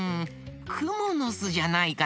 くものすじゃないかな？